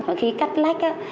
mỗi khi cắt lách á